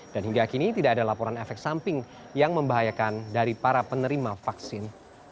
dan hingga kini tidak ada laporan efek samping yang membahayakan dari para penerima vaksin